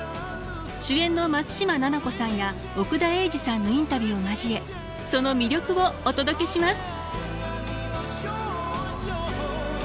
主演の松嶋菜々子さんや奥田瑛二さんのインタビューを交えその魅力をお届けします！